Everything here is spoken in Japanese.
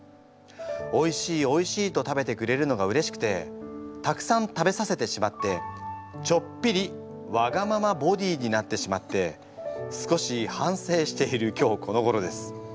『おいしい！おいしい！』と食べてくれるのがうれしくてたくさん食べさせてしまってちょっぴりワガママボディーになってしまって少し反省している今日このごろです。